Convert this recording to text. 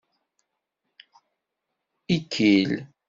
Ikil.